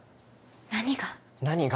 何が？